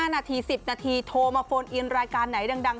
๕นาที๑๐นาทีโทรมาโฟนอินรายการไหนดัง